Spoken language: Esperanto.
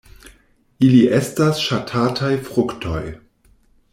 Ili estas ŝatataj fruktoj.